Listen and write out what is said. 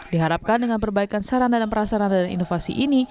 diharapkan dengan perbaikan sarana dan prasarana dan inovasi ini